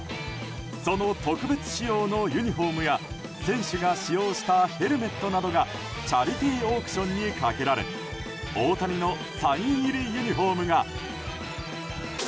その特別仕様のユニホームや選手が使用したヘルメットなどがチャリティーオークションにかけられ大谷のサイン入りユニホームが。